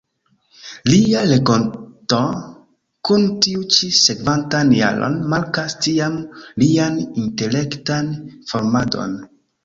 Lia renkonto kun tiu ĉi sekvantan jaron markas tiam lian intelektan formadon.